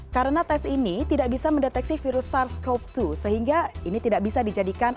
karena tes ini tidak bisa mendeteksi virus sars cov dua sehingga ini tidak bisa dijadikan alaminasi